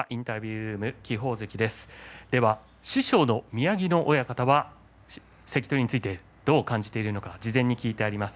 師匠の宮城野親方は関取についてどう感じているのか事前に聞いてあります。